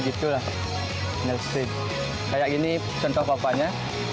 seperti ini contoh papannya